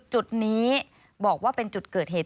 จุดนี้บอกว่าเป็นจุดเกิดเหตุ